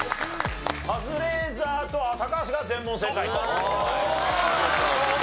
カズレーザーと高橋が全問正解と。